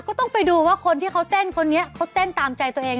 ก็ต้องไปดูว่าคนที่เขาเต้นตามใจตัวเอง